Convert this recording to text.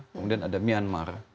kemudian ada myanmar